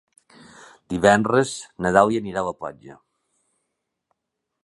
Divendres na Dàlia anirà a la platja.